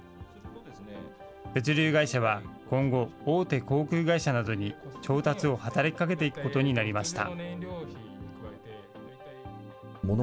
物流会社は、今後、大手航空会社などに調達を働きかけていくことになりました。